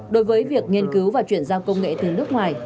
đối với việc nghiên cứu và chuyển giao công nghệ từ nước ngoài